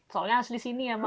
soalnya harus di sini ya mbak